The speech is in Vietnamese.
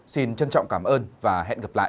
xin trân trọng cảm ơn và hẹn gặp lại